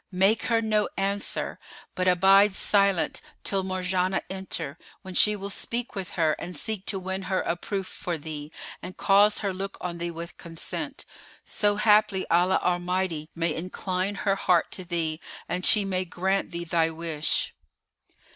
make her no answer, but abide silent till Marjanah enter, when she will speak with her and seek to win her aproof for thee and cause her look on thee with consent; so haply Allah Almighty may incline her heart to thee and she may grant thee thy wish."